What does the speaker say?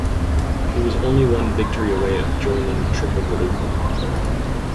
He was only one victory away of joining the Triple Gold Club.